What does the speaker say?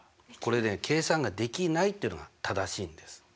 これね「計算ができない」っていうのが正しいんです。